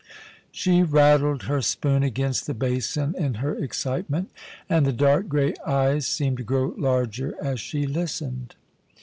She rattled her spoon against the basin in her excitement, and the dark grey eyes seemed to grow larger as she listened.